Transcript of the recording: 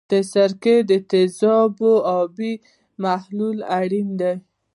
د سرکې د تیزابو آبي محلول اړین دی.